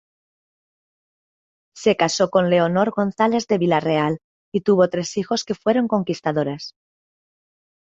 Se casó con Leonor González de Villarreal y tuvo tres hijos que fueron conquistadores.